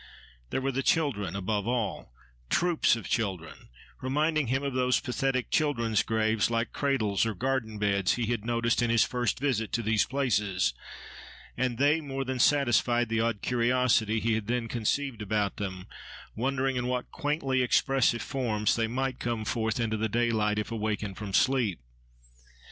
There were the children, above all—troops of children—reminding him of those pathetic children's graves, like cradles or garden beds, he had noticed in his first visit to these places; and they more than satisfied the odd curiosity he had then conceived about them, wondering in what quaintly expressive forms they might come forth into the daylight, if awakened from sleep.